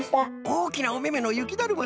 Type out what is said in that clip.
おおきなおめめのゆきだるまさんか。